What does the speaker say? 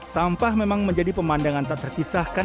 sampah memang menjadi pemandangan tak terpisahkan